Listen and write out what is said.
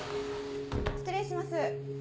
失礼します。